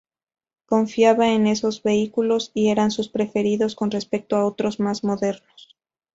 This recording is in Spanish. Confiaba en esos vehículos y eran sus preferidos con respecto a otros más modernos.